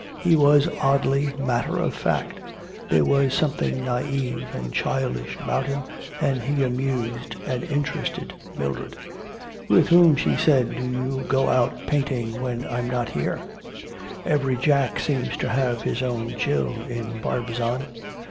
He was oddly matter of fact. There was something naive and childish about him, and he amused and interested Mildred. 'With whom,' she said, 'do you go out painting when I'm not here? Every Jack seems to have his own Jill in Barbizon.'